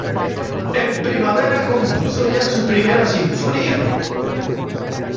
En primavera, compuso ya su "Primera sinfonía".